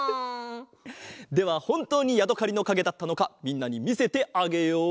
ではほんとうにやどかりのかげだったのかみんなにみせてあげよう！